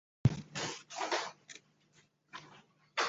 女子把一张写有西夏文字的布条交给赵行德。